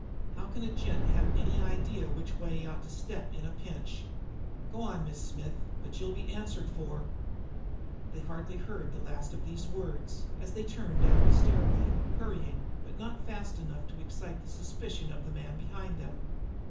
How can a gent have any idea which way he ought to step in a pinch? Go on, Miss Smith, but you'll be answered for!" They hardly heard the last of these words, as they turned down the stairway, hurrying, but not fast enough to excite the suspicion of the man behind them.